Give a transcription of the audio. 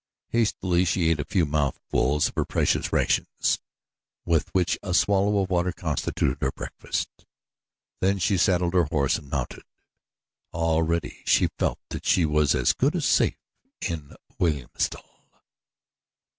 Hastily she ate a few mouthfuls of her precious rations, which with a swallow of water constituted her breakfast. Then she saddled her horse and mounted. Already she felt that she was as good as safe in Wilhelmstal.